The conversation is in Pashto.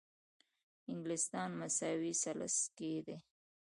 انګلستان مساوي ثلث کې ده.